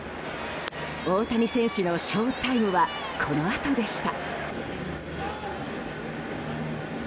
大谷選手のショータイムはこのあとでした。